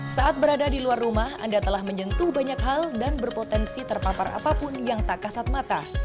saat berada di luar rumah anda telah menyentuh banyak hal dan berpotensi terpapar apapun yang tak kasat mata